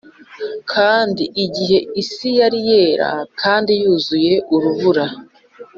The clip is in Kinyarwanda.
“kandi igihe isi yari yera kandi yuzuye urubura,